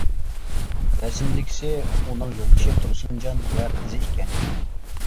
رەسىمدىكىسى ئۇنىڭ يولدىشى تۇرسۇنجان ۋە قىزى ئىكەن.